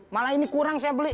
malah ini kurang saya beli